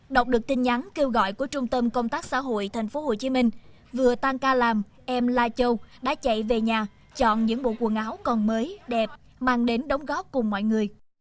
đọc được tin nhắn kêu gọi của trung tâm công tác xã hội tp hcm vừa tan ca làm em la châu đã chạy về nhà chọn những bộ quần áo còn mới đẹp mang đến đóng góp cùng mọi người